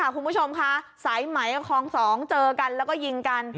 คุณผู้ชมคะสายไหมกับคลอง๒เจอกันแล้วก็ยิงกัน